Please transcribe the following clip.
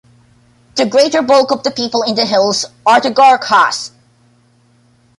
The greater bulk of the people in the hills are the Gorkhas.